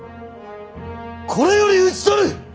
これより討ち取る！